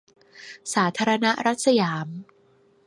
สาธารณรัฐสยาม